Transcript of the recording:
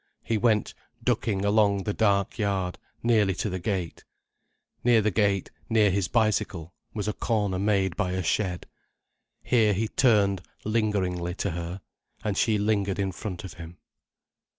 He went ducking along the dark yard, nearly to the gate. Near the gate, near his bicycle, was a corner made by a shed. Here he turned, lingeringly, to her, and she lingered in front of him.